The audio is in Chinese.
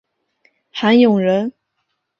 韩永人。